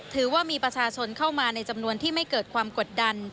ถือว่ามีประชาชนเข้ามาในจำนวนที่ไม่เกิดความกดดัน